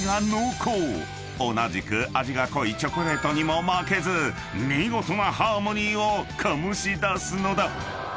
［同じく味が濃いチョコレートにも負けず見事なハーモニーを醸し出すのだ］